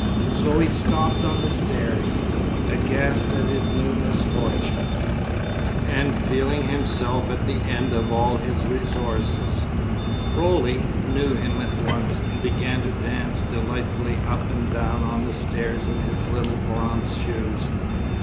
So he stopped on the stairs, aghast at this new misfortune, and feeling himself at the end of all his resources. Roly knew him at once, and began to dance delightedly up and down on the stair in his little bronze shoes.